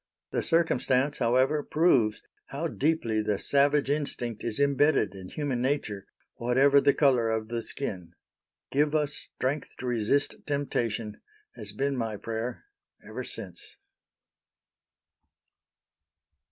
The circumstance, however, proves how deeply the savage instinct is imbedded in human nature, whatever the color of the skin. "Give us strength to resist temptation," has been my prayer ever since.